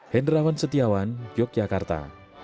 hendrawan setiawan yogyakarta